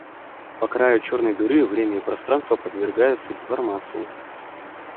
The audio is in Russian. По краю черной дыры время и пространство подвергаются деформации.